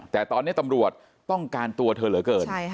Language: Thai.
แต่ตอนนี้ตำรวจต้องการตัวเธอเหลือเกิน